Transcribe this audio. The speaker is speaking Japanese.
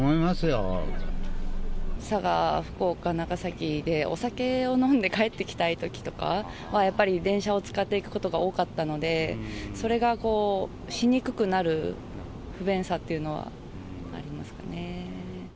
佐賀、福岡、長崎でお酒を飲んで帰ってきたいときとかは、やっぱり電車を使って行くことが多かったので、それがしにくくなる不便さっていうのはありますね。